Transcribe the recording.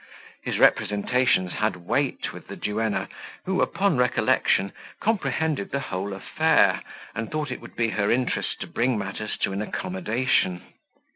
His representations had weight with the duenna, who, upon recollection, comprehended the whole affair, and thought it would be her interest to bring matters to an accommodation.